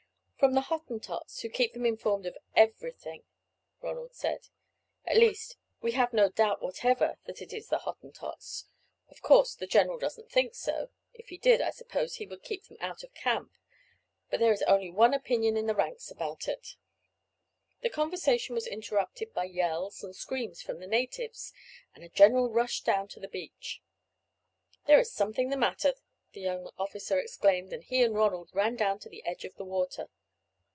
"From the Hottentots, who keep them informed of everything," Ronald said. "At least, we have no doubt whatever that it is the Hottentots. Of course, the General doesn't think so. If he did, I suppose he would keep them out of camp; but there is only one opinion in the ranks about it." The conversation was interrupted by yells and screams from the natives, and a general rush down to the beach. "There is something the matter," the young officer exclaimed; and he and Ronald ran down to the edge of the water.